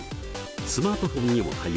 スマートフォンにも対応。